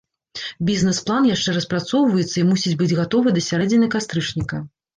Бізнес-план яшчэ распрацоўваецца і мусіць быць гатовы да сярэдзіны кастрычніка.